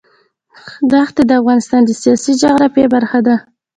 ښتې د افغانستان د سیاسي جغرافیه برخه ده.